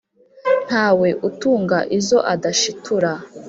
Ntawe utunga izo adashitura.